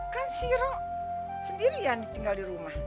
kan si ruh sendiri yang tinggal di rumah